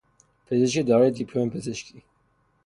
پزشک دارای دیپلم پزشکی